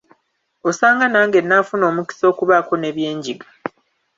Osanga nange nnaafuna omukisa okubaako ne bye njiga.